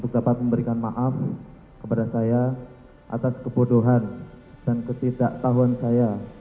dapat memberikan maaf kepada saya atas kebodohan dan ketidaktahuan saya